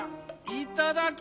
いただき。